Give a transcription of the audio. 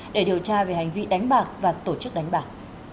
để điều tra về hành vi đánh bạc và tổ chức đánh bạc